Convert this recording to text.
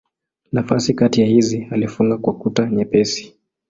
Nafasi kati ya hizi alifunga kwa kuta nyepesi.